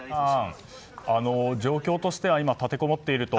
状況としては今、立てこもっていると。